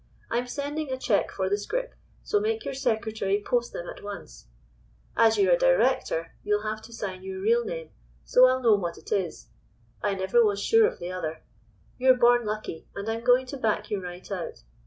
I'm sending a cheque for the scrip, so make your secretary post them at once. As you're a director, you'll have to sign your real name, so I'll know what it is. I never was sure of the other. You're born lucky, and I'm going to back you right out.